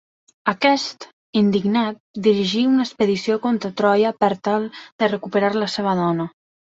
Aquest, indignat, dirigí una expedició contra Troia per tal de recuperar la seva dona.